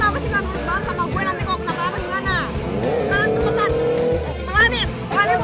lo tuh kenapa sih gak durut banget sama gue